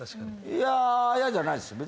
いや嫌じゃないですよ